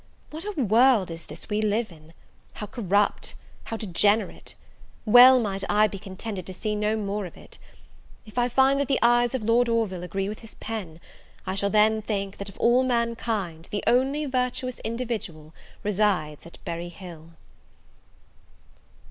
What a world is this we live in! how corrupt! how degenerate! well might I be contented to see no more of it! If I find that the eyes of Lord Orville agree with his pen, I shall then think, that of all mankind, the only virtuous individual resides at Berry Hill.